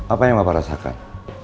apa yang bapak rasakan